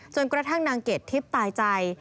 กระทั่งนางเกดทิพย์ตายใจ